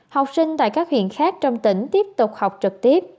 học sinh tại các huyện khác trong tỉnh tiếp tục học trực tiếp